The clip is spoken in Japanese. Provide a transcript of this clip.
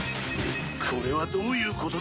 これはどういうことだ？